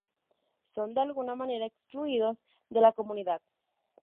Son de alguna manera excluidos de la comunidad.